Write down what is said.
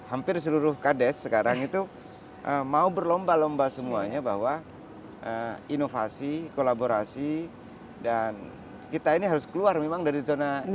hampir seluruh kades sekarang itu mau berlomba lomba semuanya bahwa inovasi kolaborasi dan kita ini harus keluar memang dari zona ini